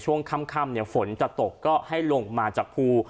ช่วงค่ำฝนจะตกก็ให้ลงมาจากภู